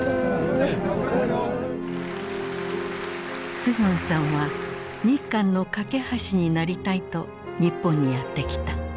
スヒョンさんは日韓の懸け橋になりたいと日本にやって来た。